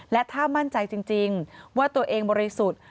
และถ้ามั่นใจจริงว่าตัวเองบริสุทธิ์